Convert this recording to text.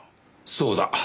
そうだ。